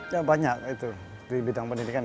ya banyak itu di bidang pendidikan